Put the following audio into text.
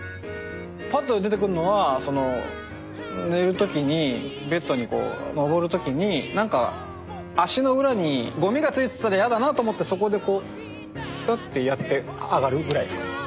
パッと出てくるのは寝るときにベッドに上るときになんか足の裏にゴミがついてたらやだなと思ってそこでこうサッてやって上がるぐらいですか。